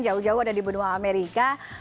jauh jauh ada di benua amerika